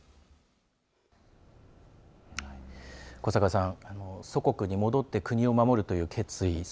古坂さん、祖国に戻って国を守るという決意。